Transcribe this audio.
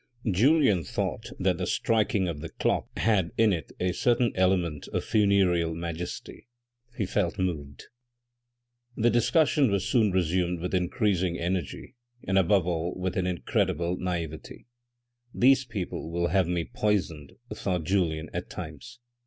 Julien thought that the striking of the clock had in it a certain element of funereal majesty. He felt moved. The discussion was soon resumed with increasing energy, and above all with an incredible naivety. " These people will have me poisoned," thought Julien at times.